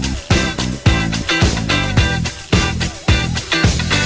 มีวันหยุดเอ่ออาทิตย์ที่สองของเดือนค่ะ